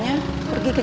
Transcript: depending on you